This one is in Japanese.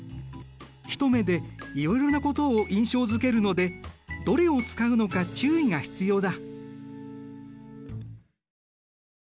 一目でいろいろなことを印象づけるのでどれを使うのか注意が必要だ。